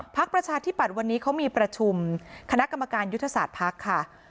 ประชาธิปัตย์วันนี้เขามีประชุมคณะกรรมการยุทธศาสตร์ภักดิ์ค่ะ